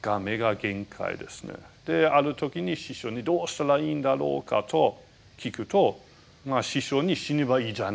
ある時に師匠にどうしたらいいんだろうかと聞くと師匠に「死ねばいいじゃないか。